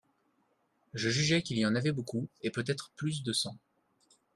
Je jugeais qu'il y en avait beaucoup, et peut-être plus de cent.